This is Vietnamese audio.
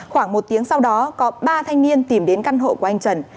khoảng một tiếng sau đó có ba thanh niên tìm đến căn hộ của anh trần